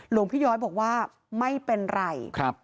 หลวงพี่ย้อยบอกว่าไม่เป็นไร